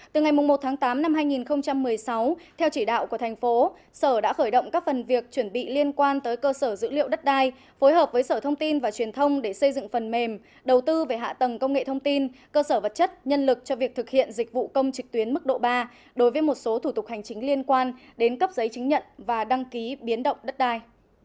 từ ngày một tháng tám năm hai nghìn một mươi sáu theo chỉ đạo của thành phố sở đã khởi động các phần việc chuẩn bị liên quan tới cơ sở dữ liệu đất đai phối hợp với sở thông tin và truyền thông để xây dựng phần mềm đầu tư về hạ tầng công nghệ thông tin cơ sở vật chất nhân lực cho việc thực hiện dịch vụ công trịch tuyến mức độ ba đối với một số thủ tục hành chính liên quan đến cấp giấy chứng nhận và đăng ký biến động đất đai